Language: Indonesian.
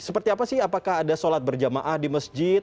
seperti apa sih apakah ada sholat berjamaah di masjid